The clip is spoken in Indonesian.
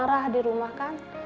terus marah di rumah kan